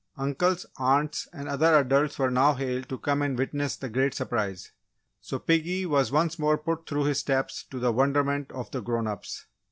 Uncles, aunts, and other adults were now hailed to come and witness the great surprise. So piggy was once more put through his "steps" to the wonderment of the grown ups.